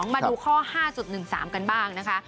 มาดูข้อ๕๑๓กันบ้างนะคะ